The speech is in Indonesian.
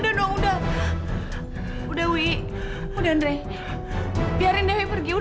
dengar oh kak ibu